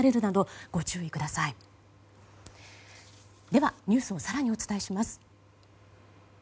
ではニュースを更にお伝えします。